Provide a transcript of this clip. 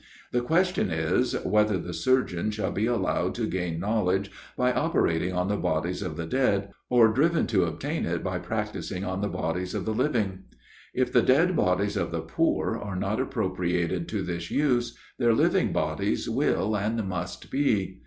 The question is, whether the surgeon shall be allowed to gain knowledge by operating on the bodies of the dead, or driven to obtain it by practising on the bodies of the living. If the dead bodies of the poor are not appropriated to this use, their living bodies will and must be.